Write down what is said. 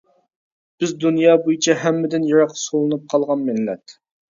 بىز دۇنيا بويىچە ھەممىدىن يىراق سولىنىپ قالغان مىللەت.